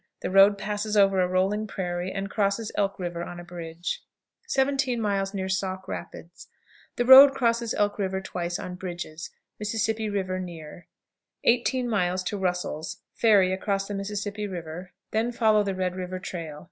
The road passes over a rolling prairie, and crosses Elk River on a bridge. 17. Near Sauk Rapids. The road crosses Elk River twice on bridges; Mississippi River near. 18. Russel's. Ferry across the Mississippi River, then follow the Red River trail.